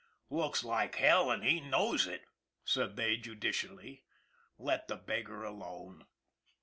" Looks like hell, an' he knows it," said they judici ally. " Let the beggar alone."